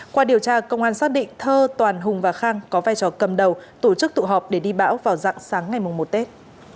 qua điều tra công an xác định thơ toàn hùng và khang có vai trò cầm đầu tổ chức tụ họp để đi bão vào dạng sáng ngày một tết